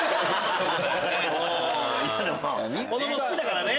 子供好きだからね！